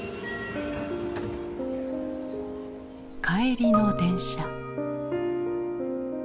帰りの電車。